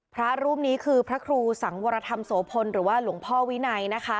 พระรูปนี้คือพระครูสังวรธรรมโสพลหรือว่าหลวงพ่อวินัยนะคะ